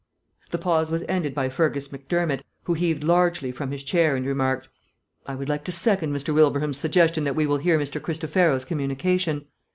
The pause was ended by Fergus Macdermott, who heaved largely from his chair and remarked, "I would like to second Mr. Wilbraham's suggestion that we will hear Mr. Cristofero's communication.